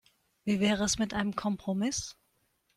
Wie wäre es mit einem Kompromiss?